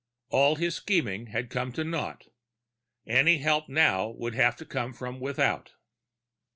All his scheming had come to naught. Any help now would have to come from without.